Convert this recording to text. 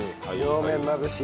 両面まぶし。